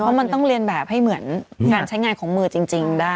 เพราะมันต้องเรียนแบบให้เหมือนการใช้งานของมือจริงได้